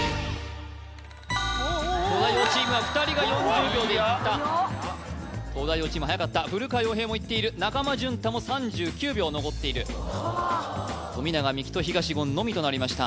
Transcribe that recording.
東大王チームは２人が４０秒でいった東大王チームはやかった古川洋平もいっている中間淳太も３９秒残っている富永美樹と東言のみとなりました